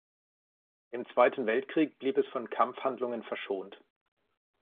Im Zweiten Weltkrieg blieb es von Kampfhandlungen verschont.